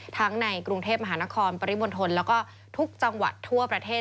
ในกรุงเทพมหานครปริมณฑลแล้วก็ทุกจังหวัดทั่วประเทศ